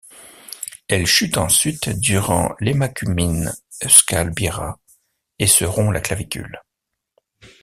Elle chute ensuite durant l'Emakumeen Euskal Bira et se rompt la clavicule.